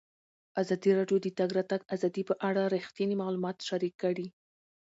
ازادي راډیو د د تګ راتګ ازادي په اړه رښتیني معلومات شریک کړي.